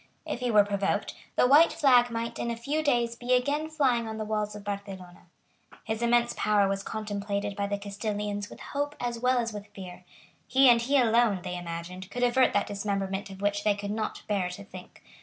If he were provoked, the white flag might in a few days be again flying on the walls of Barcelona. His immense power was contemplated by the Castilians with hope as well as with fear. He and he alone, they imagined, could avert that dismemberment of which they could not bear to think.